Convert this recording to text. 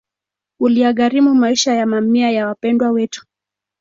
Uliyagharimu maisha ya mamia ya Wapendwa Wetu